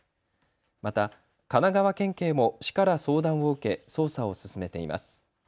また神奈川県警も市から相談を受け、捜査を進めています。